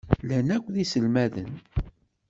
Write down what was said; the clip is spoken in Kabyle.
Llan akk d iselmaden.